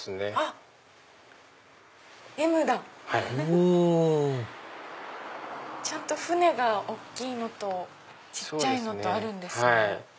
お船が大きいのと小っちゃいのとあるんですね。